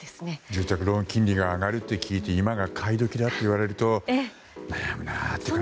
住宅ローン金利が上がると聞いて今が買い時だと言われると悩むなって感じが。